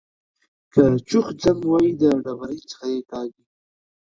که چوخ ځم وايي د ډبرۍ څخه يې کاږي.